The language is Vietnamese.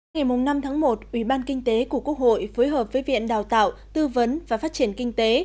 ngày năm tháng một ủy ban kinh tế của quốc hội phối hợp với viện đào tạo tư vấn và phát triển kinh tế